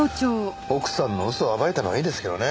奥さんの嘘を暴いたのはいいですけどね。